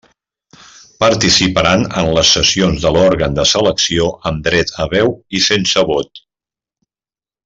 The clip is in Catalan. Participaran en les sessions de l'òrgan de selecció amb dret a veu i sense vot.